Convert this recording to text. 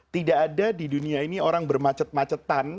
tidak ada di dunia ini orang bermacet macetan